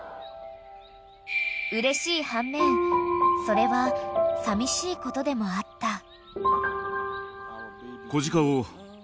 ［うれしい反面それはさみしいことでもあった］